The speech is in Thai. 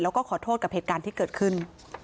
แล้วก็ขอโทษกับเหตุการณ์ที่เกิดขึ้น